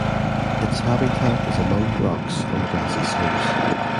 Its habitat is among rocks on grassy slopes.